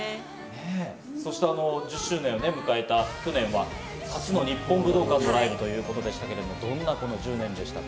そして１０周年を迎えた去年は初の日本武道館のライブということでしたけれど、どんな１０年でしたか？